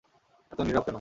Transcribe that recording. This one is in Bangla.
এত নীরব কেন?